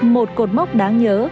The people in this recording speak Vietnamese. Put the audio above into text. một cột mốc đáng nhớ